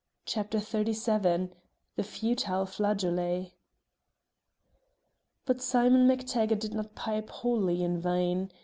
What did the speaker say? CHAPTER XXXVII THE FUTILE FLAGEOLET But Simon MacTaggart did not pipe wholly in vain.